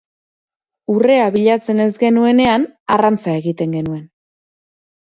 Urrea bilatzen ez genuenean, arrantzan egiten genuen.